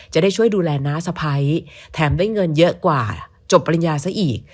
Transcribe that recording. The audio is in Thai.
จะได้ช่วยดูแลน้าสะพ้ายแถมได้เงินเยอะกว่าจบปริญญาซะอีก